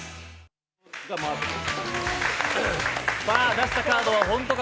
「出したカードは本当か？